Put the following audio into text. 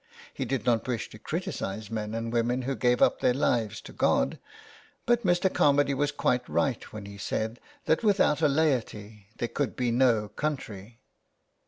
He did not wish to criticise men and women who gave up their lives to God, but Mr. Carmady was quite right when he said that without a laity there could be no country.